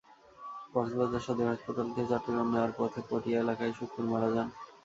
কক্সবাজার সদর হাসপাতাল থেকে চট্টগ্রাম নেওয়ার পথে পটিয়া এলাকায় শুক্কুর মারা যান।